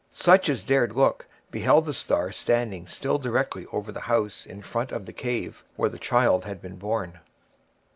Such as dared look beheld the star standing still directly over the house in front of the cave where the Child had been born.